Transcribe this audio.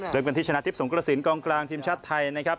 เวลาที่ชนะทฤพธิพธิ์สงกรสินกองกลางทีมชาติไทยนะครับ